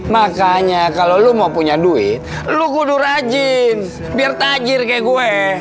makanya kalau lo mau punya duit lu guduh rajin biar tajir kayak gue